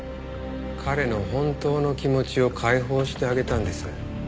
彼の本当の気持ちを解放してあげたんです。